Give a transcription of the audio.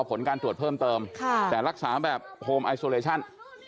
ผลการตรวจเพิ่มเติมแต่รักษาแบบโฮมไอโซเลชั่น